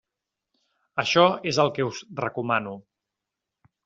Això és el que us recomano.